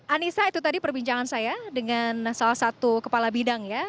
anissa itu tadi perbincangan saya dengan salah satu kepala bidang ya